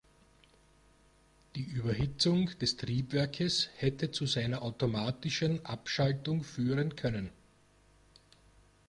Die Überhitzung des Triebwerkes hätte zu seiner automatischen Abschaltung führen können.